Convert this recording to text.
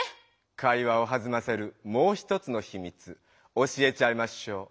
⁉会話をはずませるもう一つのひみつ教えちゃいましょう！